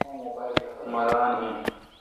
مہ ران این۔